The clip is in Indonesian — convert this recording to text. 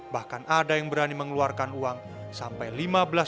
bahkan ada yang berani mengeluarkan uang sampai lima belas juta rupiah